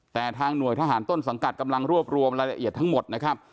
แต่ทางหน่วยทหารต้นสังกัดกำลังรวบรวมรายละเอียดทั้งหมดนะครับ